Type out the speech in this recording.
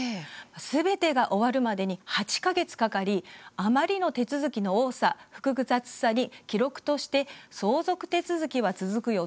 すべてが終わるまでに８か月かかり、あまりの手続きの多さ、複雑さに記録として「相続手続きは続くよ